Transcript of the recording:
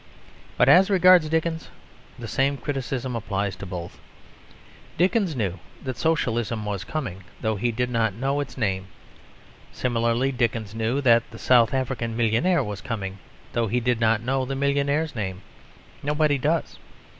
But as regards Dickens, the same criticism applies to both. Dickens knew that Socialism was coming, though he did not know its name. Similarly, Dickens knew that the South African millionaire was coming, though he did not know the millionaire's name. Nobody does.